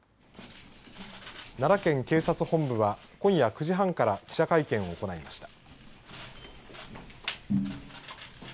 奈良県警察本部は今夜９時半から記者会見を行いました。